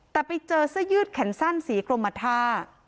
แต่ไปเจอเสื้อยืดแขนสั้นสีกรมท่า